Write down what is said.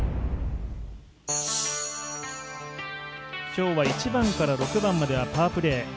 今日は１番から６番まではパープレー。